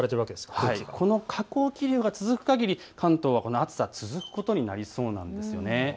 この下降気流が続くかぎり関東の暑さは続くことになりそうです。